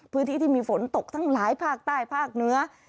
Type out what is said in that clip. พื้นที่ที่มีฝนตกทั้งหลายภาคใต้ภาคเหนือ